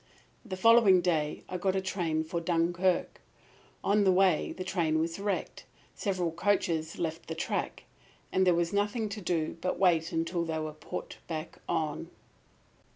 "The following day I got a train for Dunkirk. On the way the train was wrecked. Several coaches left the track, and there was nothing to do but to wait until they were put back on.